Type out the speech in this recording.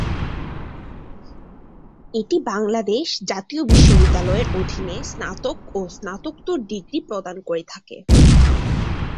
এটি বাংলাদেশ জাতীয় বিশ্ববিদ্যালয়ের অধীনে স্নাতক ও স্নাতকোত্তর ডিগ্রি প্রদান করে থাকে।